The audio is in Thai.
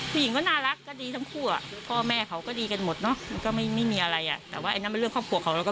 ปกติเราก็เลยว่าเป็นเรื่องธรรมชาติ